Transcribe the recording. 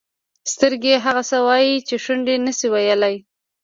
سترګې هغه څه وایي چې شونډې نه شي ویلای.